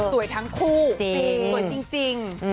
สวยทั้งคู่สวยจริง